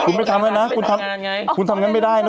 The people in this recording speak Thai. คุณไม่ทำแล้วนะคุณทำงานไม่ได้นะ